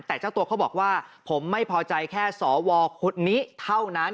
แต่เจ้าตัวเขาบอกว่าผมไม่พอใจแค่สวคนนี้เท่านั้น